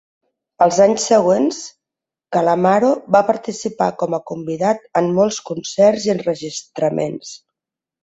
Els anys següents, Calamaro va participar com a convidat en molts concerts i enregistraments.